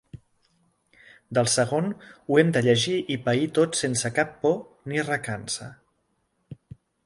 Del segon, ho hem de llegir i pair tot sense cap por ni recança.